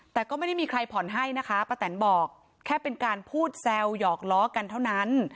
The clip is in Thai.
แต่ก็ไม่ได้มีใครผ่อนให้นะคะป้าแตนบอกแค่เป็นการพูดแซวหยอกล้อกันเท่านั้น